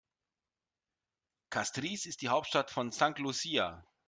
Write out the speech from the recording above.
Castries ist die Hauptstadt von St. Lucia.